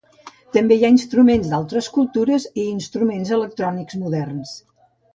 També hi ha instruments d'altres cultures i instruments electrònics moderns.